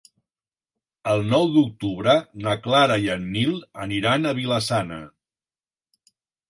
El nou d'octubre na Clara i en Nil aniran a Vila-sana.